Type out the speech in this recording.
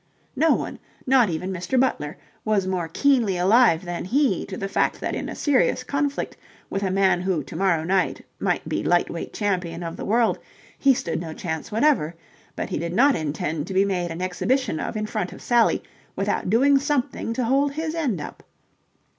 No one, not even Mr. Butler, was more keenly alive than he to the fact that in a serious conflict with a man who to morrow night might be light weight champion of the world he stood no chance whatever: but he did not intend to be made an exhibition of in front of Sally without doing something to hold his end up.